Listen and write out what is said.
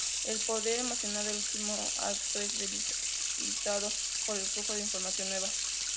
El poder emocional del último acto es debilitado por el flujo de información nueva.